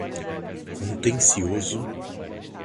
contencioso